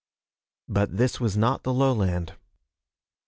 But this was not the lowland.